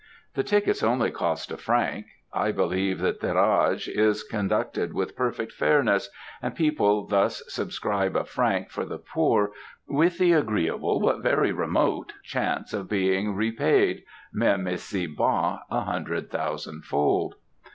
The tickets only cost a franc. I believe the tirage is conducted with perfect fairness; and people thus subscribe a franc for the poor, with the agreeable, but very remote, chance of being repaid, même ici bas, a hundred thousand fold.